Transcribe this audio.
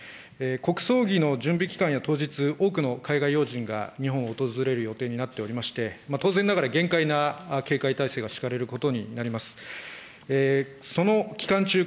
国葬儀の準備期間や当日、多くの海外要人が日本を訪れる予定になっておりまして、当然ながら、厳戒態勢が敷かれることになります。